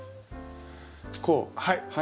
はい。